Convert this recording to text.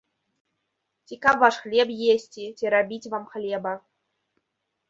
Ці каб ваш хлеб есці, ці рабіць вам хлеба?